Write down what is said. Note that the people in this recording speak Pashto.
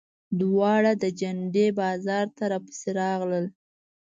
دواړه د جنډې بازار ته راپسې راغلل.